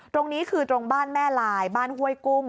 ตรงนี้คือตรงบ้านแม่ลายบ้านห้วยกุ้ง